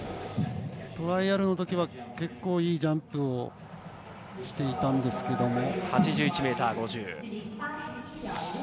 トライアルのときは結構、いいジャンプをしていたんですけど。